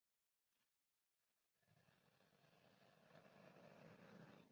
Tuvo cuatro hijos Aldunate Palacios.